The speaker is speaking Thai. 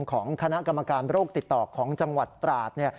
ของคณะกรรมการโรคติดต่อของจังหวัดตราด